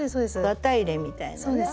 綿入れみたいなね。